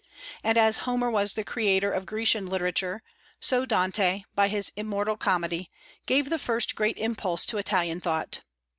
And as Homer was the creator of Grecian literature, so Dante, by his immortal comedy, gave the first great impulse to Italian thought.